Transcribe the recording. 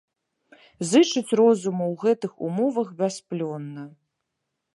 Зычыць розуму ў гэтых умовах бясплённа.